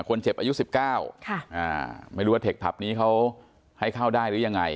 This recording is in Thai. คนเจ็บอายุ๑๙ไม่รู้ว่าเทคผับนี้เขาให้เข้าได้หรือยังไง